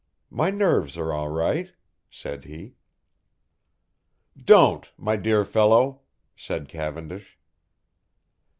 "My nerves are all right," said he. "Don't, my dear fellow," said Cavendish.